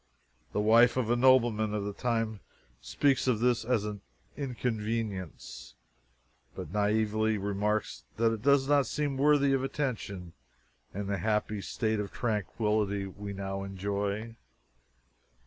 The wife of a nobleman of the time speaks of this as an "inconvenience," but naively remarks that "it does not seem worthy of attention in the happy state of tranquillity we now enjoy."